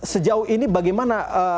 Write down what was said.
sejauh ini bagaimana